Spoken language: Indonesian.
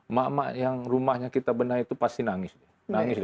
emak emak yang rumahnya kita benahi itu pasti nangis